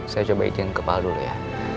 saya coba izin kepal dulu ya